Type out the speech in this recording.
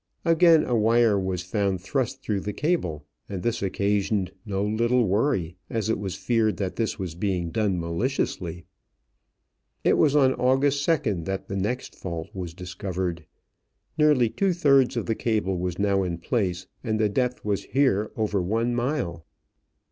Again a wire was found thrust through the cable, and this occasioned no little worry, as it was feared that this was being done maliciously. It was on August 2d that the next fault was discovered. Nearly two thirds of the cable was now in place and the depth was here over one mile.